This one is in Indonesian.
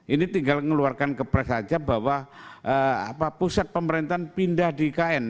ini tinggal mengeluarkan kepres saja bahwa pusat pemerintahan pindah di ikn